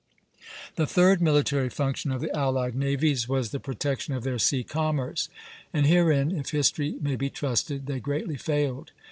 The third military function of the allied navies was the protection of their sea commerce; and herein, if history may be trusted, they greatly failed.